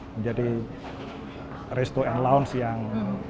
menjadi resto and lounge yang